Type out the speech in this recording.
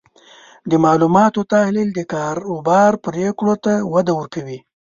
د معلوماتو تحلیل د کاروبار پریکړو ته وده ورکوي.